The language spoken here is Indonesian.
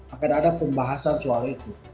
akan ada pembahasan soal itu